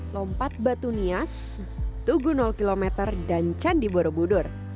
lompat batu nias tugu km dan candi borobudur